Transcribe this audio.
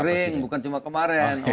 sering bukan cuma kemarin